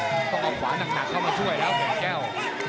เนี่ยโหต้องเอาขวานักเข้ามาช่วยแล้วเนี่ยแก้ว